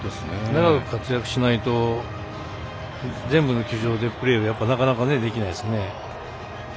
長く活躍しないと全部の球場でプレーはなかなかできないですね。